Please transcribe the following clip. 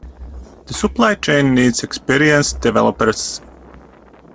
The Supply chain needs experienced developers.